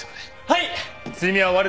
はい。